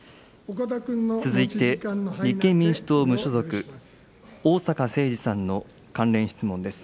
続いて、立憲民主党・無所属、逢坂誠二さんの関連質問です。